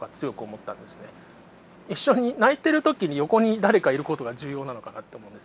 一緒に泣いてる時に横に誰かいることが重要なのかなと思うんです。